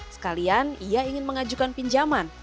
sekalian ia ingin mengajukan pinjaman